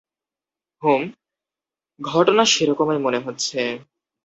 হুম, ঘটনা সেরকমই মনে হচ্ছে।